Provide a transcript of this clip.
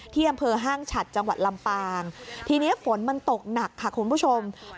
ที่อำเภอห้างฉัดจังหวัดลำปางทีนี้ฝนมันตกหนักค่ะคุณผู้ชม